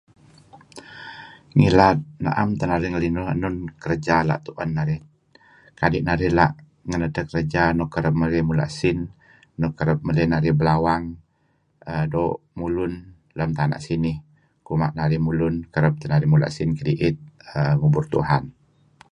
Ngilad naem teh narih ngelinuh nun kerja ela' tuen narih. Kadi' narih la' ngen edteh kerja nekap esin nuk kereb mlih narih belawang doo' mulun lem tana' sinih. Kuma' narih mulun kereb teh narih mula esin kediit. uhm Ngubut Tuhan.